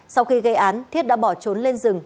sau khi gây án thiết đã bỏ trốn lên rừng